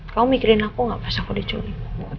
kamu mikirin aku enggak pas aku diculik